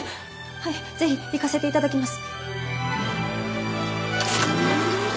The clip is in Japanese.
はいぜひ行かせて頂きます！